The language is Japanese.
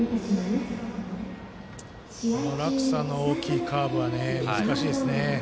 あの落差の大きいカーブは難しいですね。